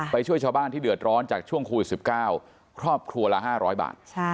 ช่วยชาวบ้านที่เดือดร้อนจากช่วงโควิด๑๙ครอบครัวละ๕๐๐บาท